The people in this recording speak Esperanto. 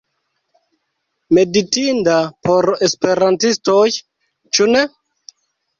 Meditinda por esperantistoj, ĉu ne?